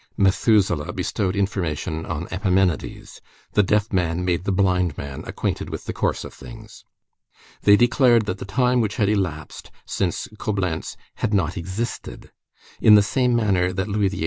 Methuselah bestowed information on Epimenides. The deaf man made the blind man acquainted with the course of things. They declared that the time which had elapsed since Coblentz had not existed. In the same manner that Louis XVIII.